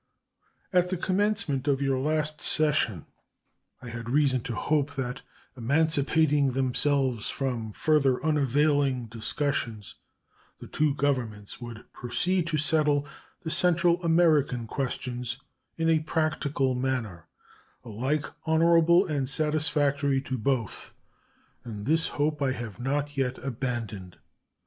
At the commencement of your last session I had reason to hope that, emancipating themselves from further unavailing discussions, the two Governments would proceed to settle the Central American questions in a practical manner, alike honorable and satisfactory to both; and this hope I have not yet abandoned.